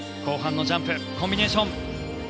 後半のジャンプコンビネーション。